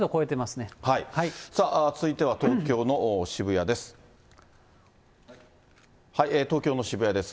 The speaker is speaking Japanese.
さあ、続いては東京の渋谷です。